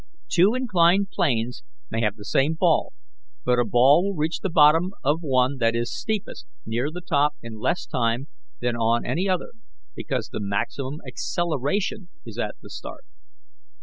Two inclined planes may have the same fall, but a ball will reach the bottom of one that is steepest near the top in less time than on any other, because the maximum acceleration is at the start.